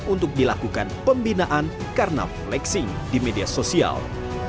untuk dilakukan pembinaan karena flexing di media sosial